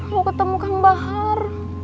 mau ketemu kang bahar